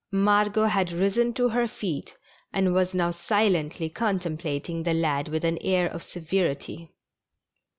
Margot had risen to her feet, and was now silently contemplating the lad with an air of severity.